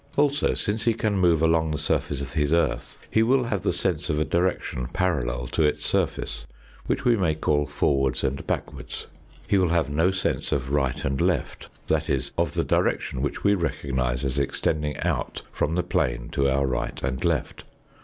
Also, since Fig. 4. he can move along the surface of his earth, he will have the sense of a direction parallel to its surface, which we may call forwards and backwards. He will have no sense of right and left that is, of the direction which we recognise as extending out from the plane to our right and left.